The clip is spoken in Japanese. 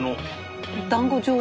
だんご状に。